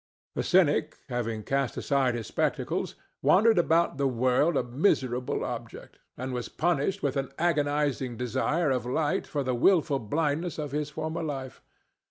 The cynic, having cast aside his spectacles, wandered about the world a miserable object, and was punished with an agonizing desire of light for the wilful blindness of his former life.